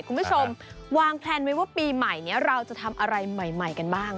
คุณผู้ชมวางแพลนไว้ว่าปีใหม่นี้เราจะทำอะไรใหม่กันบ้าง